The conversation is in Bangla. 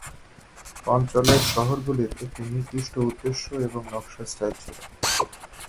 অঞ্চলের শহরগুলির একটি নির্দিষ্ট উদ্দেশ্য এবং নকশার স্টাইল ছিল।